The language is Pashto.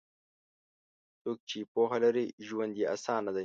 څوک چې پوهه لري، ژوند یې اسانه دی.